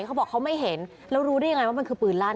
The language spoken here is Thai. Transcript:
เขาบอกเขาไม่เห็นแล้วรู้ได้ยังไงว่ามันคือปืนลั่น